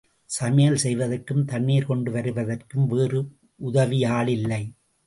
சமையல் செய்வதற்கும், தண்ணிர் கொண்டு வருவதற்கும் வேறு உதவியாளில்லை.